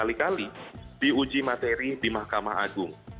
kali kali diuji materi di mahkamah agung